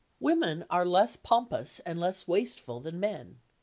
Women are less pompous and less wasteful than men.